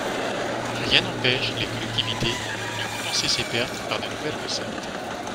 Rien n’empêche les collectivités de compenser ces pertes par de nouvelles recettes.